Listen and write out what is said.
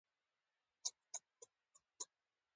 پکتیا د افغانستان د دوامداره پرمختګ لپاره اړین دي.